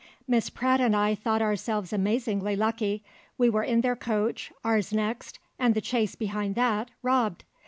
Miss Pratt and I thought ourselves amazingly lucky; we were in their coach, ours next, and the chaise behind that, robbed.